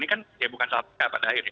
ini kan ya bukan salah paka pada akhirnya